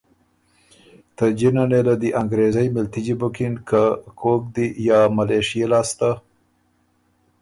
ته جِنه نېله دی انګرېزئ مِلتجی بُکِن که کوک دی یا ملېشئے لاسته